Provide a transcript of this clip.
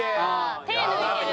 手抜いてる。